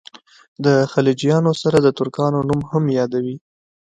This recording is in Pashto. د خلجیانو سره د ترکانو نوم هم یادوي.